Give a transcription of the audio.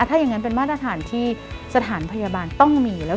ถ้าอย่างนั้นเป็นมาตรฐานที่สถานพยาบาลต้องมีแล้ว